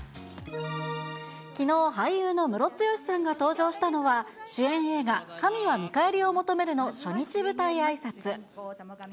きのう、俳優のムロツヨシさんが登場したのは、主演映画、神は見返りを求めるの初日舞台あいさつ。